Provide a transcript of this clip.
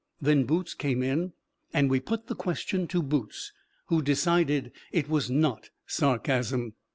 Then Boots came in, and we put the question to Boots, who decided it was not sarcasm.